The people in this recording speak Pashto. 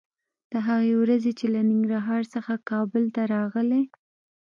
د هغې ورځې چې له ننګرهار څخه کابل ته راغلې